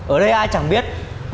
ở đây ai chẳng biết